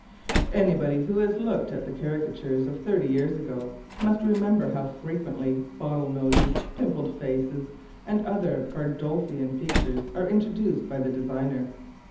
Anybody who has looked at the caricatures of thirty years ago, must remember how frequently bottle noses, pimpled faces, and other Bardolphian features are introduced by the designer.